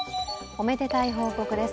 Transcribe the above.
おめでたい報告です。